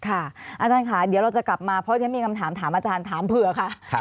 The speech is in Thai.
อาจารย์ค่ะเดี๋ยวเราจะกลับมาเพราะฉะนั้นมีคำถามถามอาจารย์ถามเผื่อค่ะ